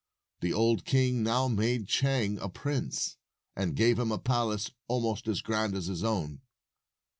The old king now made Chang a prince, and gave him a palace almost as grand as his own.